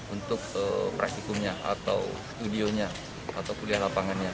untuk prasikumnya atau studionya atau kuliah lapangannya